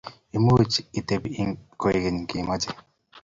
Much itebi koegeny ngimache